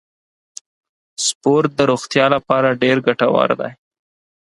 سپورت د روغتیا لپاره ډیر ګټور دی.